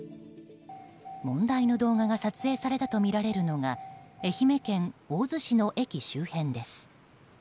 問題の動画が撮影されたとみられるのが愛媛県大洲市の駅周辺です。